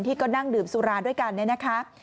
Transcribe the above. ที่ก็นั่งดื่มซุราด้วยกันนะคะ